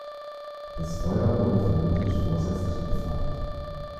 Das Feuer wurde vermutlich vorsätzlich entfacht.